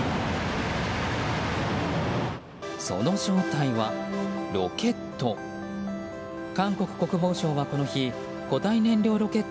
その正体はロケット。